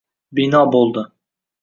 Bino bo’ldi